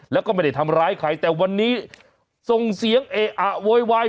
แล้วก็ไม่ได้ทำร้ายใครแต่วันนี้ส่งเสียงเอะอะโวยวาย